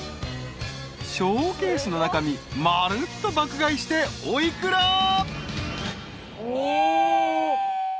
［ショーケースの中身まるっと爆買いしてお幾ら？］